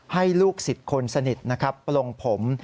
ลูกศิษย์คนสนิทนะครับปลงผม